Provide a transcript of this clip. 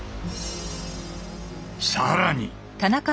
更に。